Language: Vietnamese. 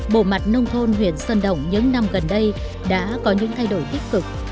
bộ mặt nông thôn huyện sơn động những năm gần đây đã có những thay đổi tích cực